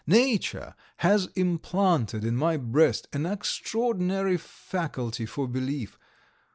Nature has implanted in my breast an extraordinary faculty for belief.